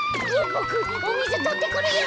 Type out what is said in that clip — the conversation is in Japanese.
ボクおみずとってくるよ！